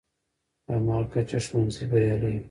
په هماغه کچه ښوونځی بریالی وي.